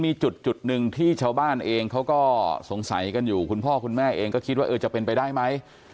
มีจุดหนึ่งที่ชาวบ้านเองเขาก็สงสัยกันอยู่คุณพ่อคุณแม่เองก็คิดว่าเออจะเป็นไปได้ไหม